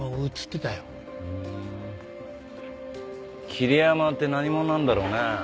桐山って何者なんだろうね？